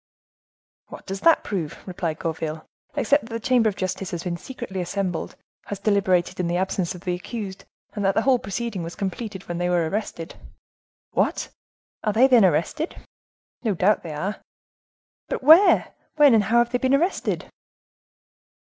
"What does that prove?" replied Gourville, "except that the chamber of justice has been secretly assembled, has deliberated in the absence of the accused, and that the whole proceeding was complete when they were arrested." "What! are they, then, arrested?" "No doubt they are." "But where, when, and how have they been arrested?"